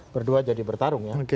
berdua jadi bertarung ya